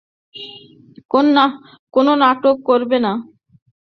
কোন নাটক করবে না।